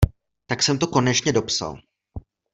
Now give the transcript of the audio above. Tak jsem to konečně dopsal.